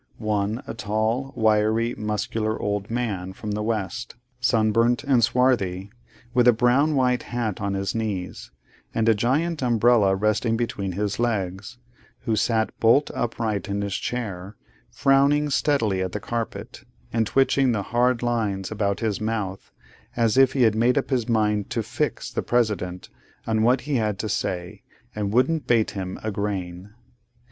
One, a tall, wiry, muscular old man, from the west; sunburnt and swarthy; with a brown white hat on his knees, and a giant umbrella resting between his legs; who sat bolt upright in his chair, frowning steadily at the carpet, and twitching the hard lines about his mouth, as if he had made up his mind 'to fix' the President on what he had to say, and wouldn't bate him a grain.